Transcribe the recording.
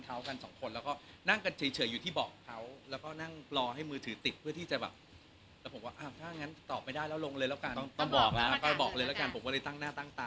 แล้วเราก็ไปนั่งอยู่ในร้านเขากัน๒คน